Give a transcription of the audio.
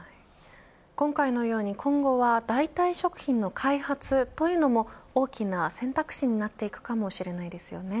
今回のように今後は代替食品の開発というのも大きな選択肢になっていくかもしれないですよね。